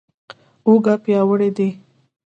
اوږه پیاوړې دي.